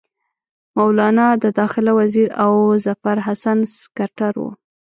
مولنا د داخله وزیر او ظفرحسن سکرټر وو.